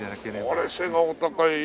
あれ背がお高い。